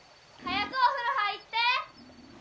早くお風呂入って！